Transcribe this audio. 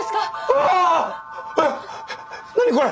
あっ何これ？